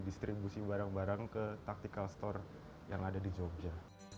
distribusi barang barang ke tactical store yang ada di jogja